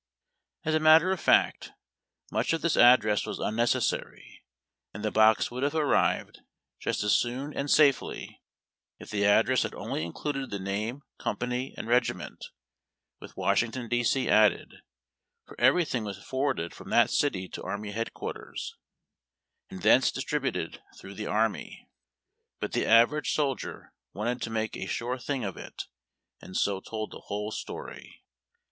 As a matter of fact much of this address was unnecessary, and the box would have arrived just as soon and safely if 217 2X8 UAIiD TACK AND COFFEE. the address had only included the name, company, and regi ment, with Washington, D. (7., added, for everything was forwarded from that city to army headquarters, and thence distributed through the army. But the average soldier wanted to make a sure thing of it, and so told the whole story.